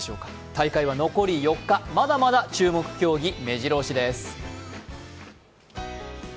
大会は残り４日まだまだ注目競技、めじろ押しです。